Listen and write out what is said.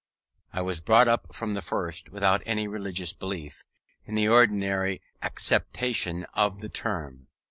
I was brought up from the first without any religious belief, in the ordinary acceptation of the term.